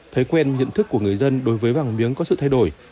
thói quen nhận thức của người dân đối với vàng miếng có sự thay đổi